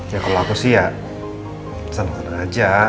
ya kalau aku sih ya senang senang aja